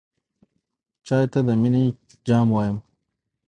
چای ته د مینې جام وایم.